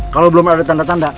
kalau belum ada tanda tanda